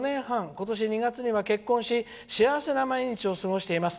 今年２月には結婚し幸せな毎日を過ごしています。